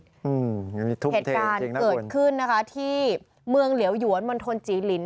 เหตุการณ์เกิดขึ้นนะคะที่เมืองเหลียวหยวนมณฑลจีลิน